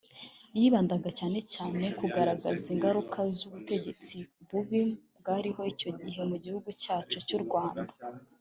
yibandaga cyane cyane ku kugaragaza ingaruka z’ubutegetsi bubi bwariho icyo gihe mu gihugu cyacu cy’u Rwanda